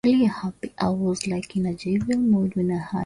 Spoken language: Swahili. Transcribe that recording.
ilikujua kilichojiri huko huyu hapa mwandishi wetu